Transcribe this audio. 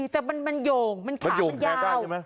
แต่มันโย่งมันขามันยาว